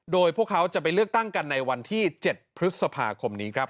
โดยพวกเขาจะไปเลือกตั้งกันในวันที่๗พฤษภาคมนี้ครับ